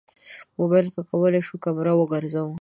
موبایل کې کولی شو کمره وګرځوو.